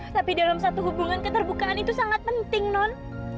tapi dalam satu hubungan keterbukaan itu sangat penting non